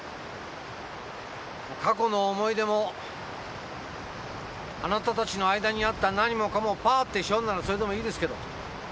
過去の思い出もあなたたちの間にあった何もかもパーって背負うならそれでもいいですけど。